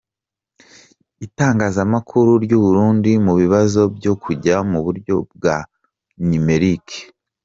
Itangazamakuru ry’u Burundi mu bibazo byo kujya mu buryo bwa numérique